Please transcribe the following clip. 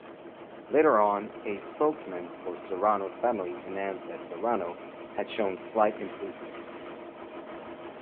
Later on, a spokesman for Serrano's family announced that Serrano had shown slight improvement.